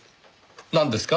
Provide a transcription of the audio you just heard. なんですか？